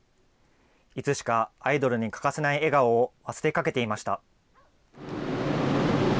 いつしかアイドルに欠かせない笑顔を忘れかけていました。